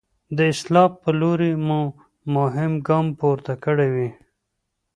د اصلاح په لوري مو مهم ګام پورته کړی وي.